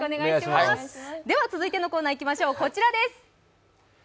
続いてのコーナーいきましょう、こちらです。